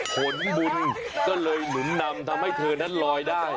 ผลบุญก็เลยหมุนนำทำให้เธอนั้นลอยได้